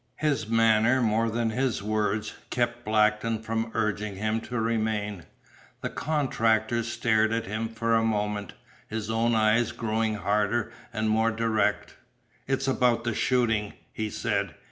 His manner more than his words kept Blackton from urging him to remain. The contractor stared at him for a moment, his own eyes growing harder and more direct. "It's about the shooting," he said.